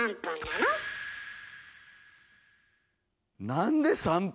なんで３分？